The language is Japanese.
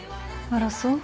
あらそう？